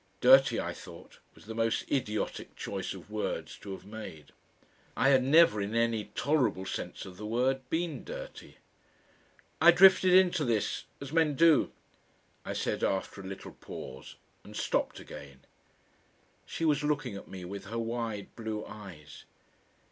"Dirty," I thought, was the most idiotic choice of words to have made. I had never in any tolerable sense of the word been dirty. "I drifted into this as men do," I said after a little pause and stopped again. She was looking at me with her wide blue eyes.